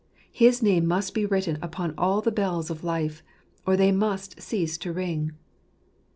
His name must be written upon all the bells of life, or they must cease to ring.